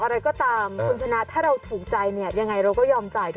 อะไรก็ตามคุณชนะถ้าเราถูกใจเนี่ยยังไงเราก็ยอมจ่ายเ